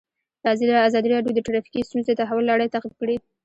ازادي راډیو د ټرافیکي ستونزې د تحول لړۍ تعقیب کړې.